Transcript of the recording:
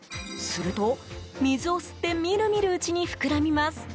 すると、水を吸って見る見るうちに膨らみます。